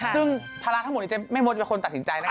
ซึ่งภาระทั้งหมดนี้แม่มดเป็นคนตัดสินใจนะ